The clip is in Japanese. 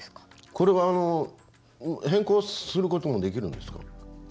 これは、変更することもできるんですか？